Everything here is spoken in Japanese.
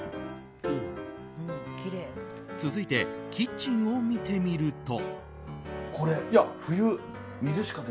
続いて、キッチンを見てみると。